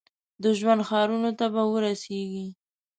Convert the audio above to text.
د ژوند ښارونو ته به ورسیږي ؟